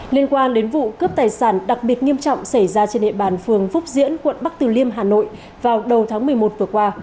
liên quan đến vụ cướp tài sản đặc biệt nghiêm trọng xảy ra trên địa bàn phường phúc diễn quận bắc từ liêm hà nội vào đầu tháng một mươi một vừa qua